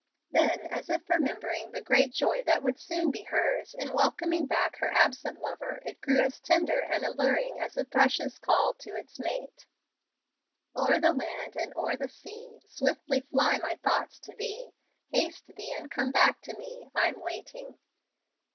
Then, as if remembering the great joy that soon would be hers in welcoming back her absent lover, it grew as tender and alluring as a thrush's call to its mate. "O'er the land and o'er the sea Swiftly fly my thoughts to thee; Haste thee and come back to me: I'm waiting.